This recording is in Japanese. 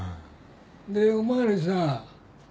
でお巡りさん